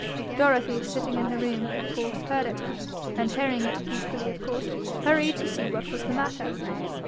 Dorothy, sitting in her room, of course, heard it, and hearing it, equally of course, hurried to see what was the matter.